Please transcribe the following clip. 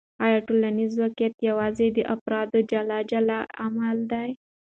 آیا ټولنیز واقعیت یوازې د افرادو جلا جلا عمل دی؟